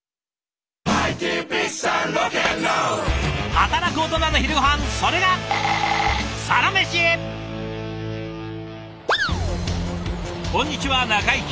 働くオトナの昼ごはんそれがこんにちは中井貴一です。